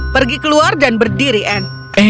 pergi keluar dan berdiri n